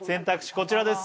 こちらです